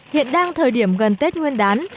hiện đang thời điểm gần tết nguyên đán